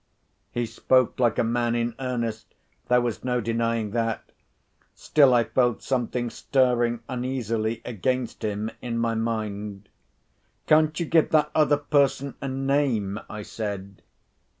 He spoke like a man in earnest—there was no denying that. Still, I felt something stirring uneasily against him in my mind. "Can't you give that other person a name?" I said.